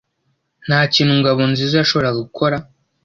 Nta kintu Ngabonziza yashoboraga gukora.